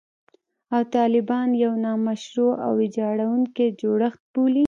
او طالبان یو «نامشروع او ویجاړوونکی جوړښت» بولي